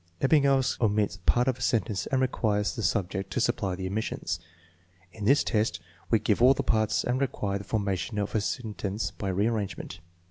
Ebbinghaus omits parts of a sentence and requires the subject to supply the omissions. In this test we give all the parts and require the formation of a sentence by rearrangement.